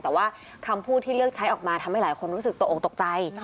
แต่ว่าคำพูดที่เลือกใช้ออกมาทำให้หลายคนรู้สึกตกออกตกใจ